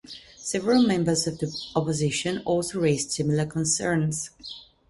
Several members of the opposition also raised similar concerns.